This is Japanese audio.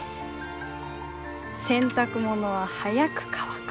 「洗濯物は早く乾く」！